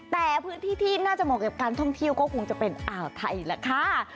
แต่พื้นที่ที่น่าจะเหมาะกับการท่องเที่ยวก็คงจะเป็นอ่าวไทยแหละค่ะ